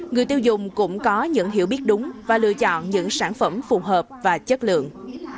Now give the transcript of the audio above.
người tiêu dùng cũng có những hiểu biết đúng và lựa chọn những sản phẩm phù hợp và chất lượng